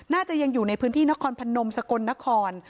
น่าจะยังอยู่ในพื้นที่นครพนมสกลนคร